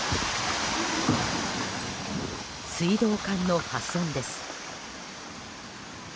水道管の破損です。